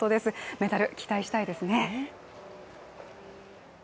メダル、期待したいですね。